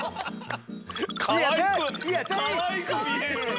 かわいく見える。